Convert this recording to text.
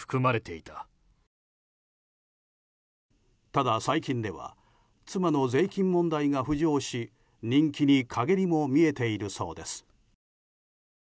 ただ最近では妻の税金問題が浮上し人気に陰りも見えているそうです。